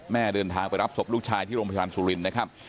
เดินทางไปรับศพลูกชายที่โรงพยาบาลสุรินทร์นะครับ